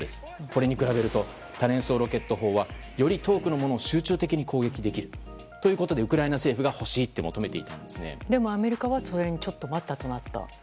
これに比べると多連装ロケット砲はより遠くのものを集中的に攻撃できるということでウクライナ政府がでもアメリカはそれにちょっと待ったとなった。